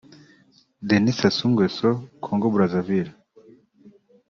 Denis Sassou Nguesso -Congo Brazaville (